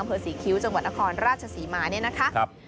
เผอร์ศรีคิ้วจังหวัดนครราชสีมานี่นะครับ